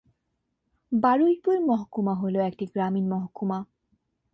বারুইপুর মহকুমা হল একটি গ্রামীণ মহকুমা।